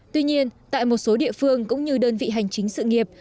tuy nhiên tại một số địa phương cũng như đơn vị hành chính sự nghiệp